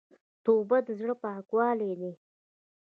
توبه د زړه پاکوالی ده.